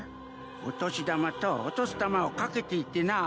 お年玉と落とす玉をかけていてなぁ。